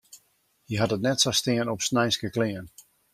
Hy hat it net sa stean op sneinske klean.